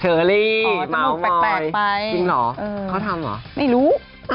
เชอรี่แปลกไปจริงเหรอเขาทำเหรอไม่รู้